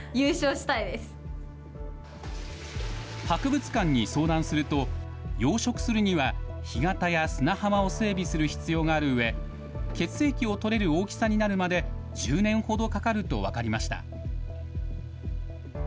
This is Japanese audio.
博物館に相談すると、養殖するには干潟や砂浜を整備する必要があるうえ、血液を採れる大きさになるまで１０年ほどかかると分かりました。